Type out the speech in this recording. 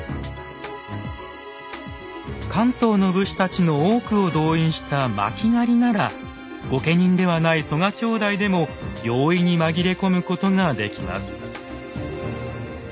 関東の武士たちの多くを動員した巻狩なら御家人ではない曽我兄弟でも容易に紛れ込むことができます。